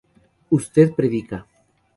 usted predica